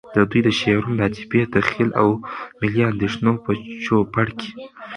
د دوی د شعرونو د عاطفی، تخیّل، او ملی اندیښنو په چو پړ کي